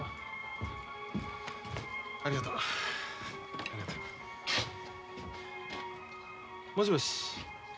ありがとう。もしもし。